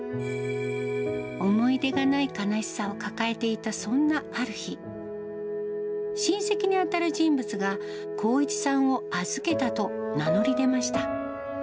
思い出がない悲しさを抱えていた、そんなある日、親戚に当たる人物が、航一さんを預けたと名乗り出ました。